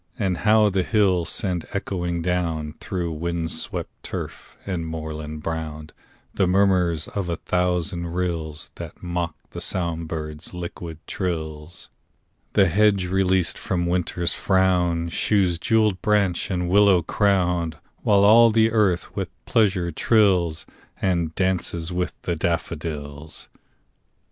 And how the hills send echoing down, Through wind swept turf and moorland brown, The murmurs of a thousand rills That mock the song birds' liquid trills! The hedge released from Winter's frown Shews jewelled branch and willow crown; While all the earth with pleasure trills, And 'dances with the daffodils.